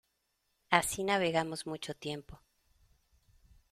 así navegamos mucho tiempo.